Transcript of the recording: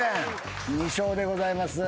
２笑でございます。